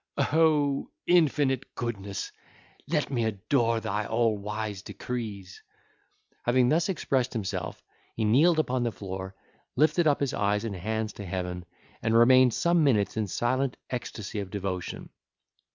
O infinite Goodness, let me adore thy all wise decrees!" Having thus expressed himself, he kneeled upon the floor, lifted up his eyes and hands to heaven, and remained some minutes in silent ecstacy of devotion.